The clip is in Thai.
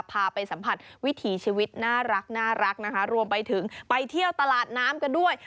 พาไปสัมผัสวิถีชีวิตน่ารักนะคะรวมไปถึงไปเที่ยวตลาดน้ำกันด้วย